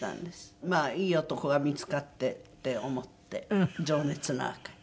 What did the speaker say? いい男が見付かってって思って情熱の赤に。